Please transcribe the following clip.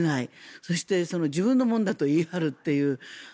そして自分のものだと言い張るという。